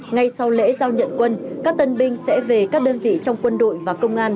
ngay sau lễ giao nhận quân các tân binh sẽ về các đơn vị trong quân đội và công an